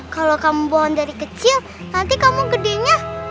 kalau kamu bond dari kecil nanti kamu gedenya